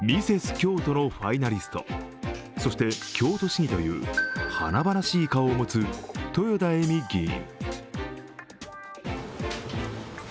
京都のファイナリストそして、京都市議という華々しい顔を持つ、豊田議員。